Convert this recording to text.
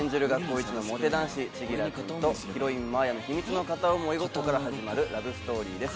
１のモテ男子・千輝君とヒロイン・真綾の秘密の片思い心から始まるラブストーリーです。